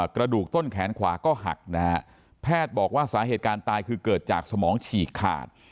กระดูกต้นแขนขวาก็หักนะฮะแพทย์บอกว่าสาเหตุการณ์ตายคือเกิดจากสมองฉีกขาด